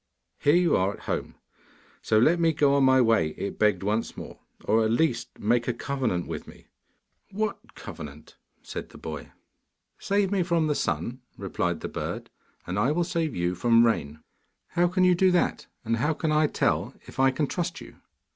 'Here you are at home, so let me go my way,' it begged once more; 'or at least make a covenant with me.' 'What covenant?' said the boy. 'Save me from the sun,' replied the bird, 'and I will save you from rain.' 'How can you do that, and how can I tell if I can trust you?